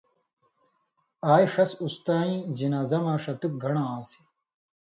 آژ ݜس اُستَیں جنازہ مہ ݜتک گھن٘ڑہۡ آن٘سیۡ